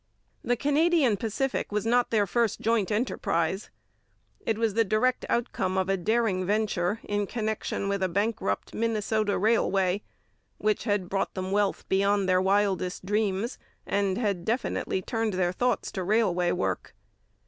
The Canadian Pacific was not their first joint enterprise. It was the direct outcome of a daring venture in connection with a bankrupt Minnesota railway, which had brought them wealth beyond their wildest dreams, and had definitely turned their thoughts to railway work.